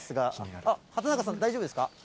あっ、畑中さん、大丈夫ですか？